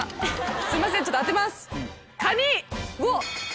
すいませんちょっと当てます。